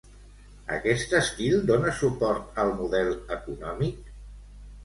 Aquest estil dona suport al model econòmic?